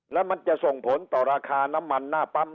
แล้วมันจะส่งผลต่อราคาน้ำมันหน้าปั๊ม